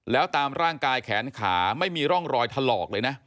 แล้วตามร่างกายแขนขาไม่มีร่องรอยถลอกเลยนะ